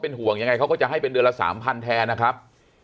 เป็นห่วงอย่างไงเขาจะให้เป็นเดือนละสามพันแทนนะครับ